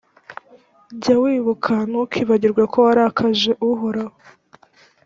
jya wibuka, ntukibagirwe ko warakaje uhoraho